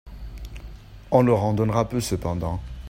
On leur en donnera peu cependant.